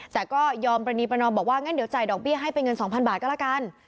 แต่ก็ยอมปรณีประนอมบอกว่างั้นเดี๋ยวจ่ายดอกเบี้ยให้เป็นเงิน๒๐๐บาทก็แล้วกัน